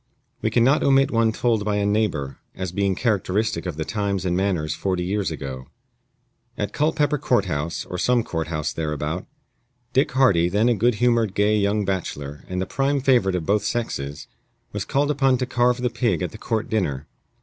We can not omit one told by a neighbor, as being characteristic of the times and manners forty years ago: At Culpepper Court house, or some court house thereabout, Dick Hardy, then a good humored, gay young bachelor, and the prime favorite of both sexes, was called upon to carve the pig at the court dinner.